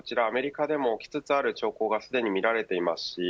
アメリカでも起きつつある兆候が見られています。